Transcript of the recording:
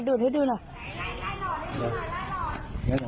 ให้ดูหน่อย